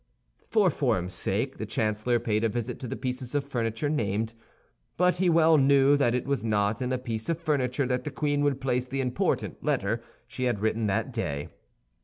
For form's sake the chancellor paid a visit to the pieces of furniture named; but he well knew that it was not in a piece of furniture that the queen would place the important letter she had written that day.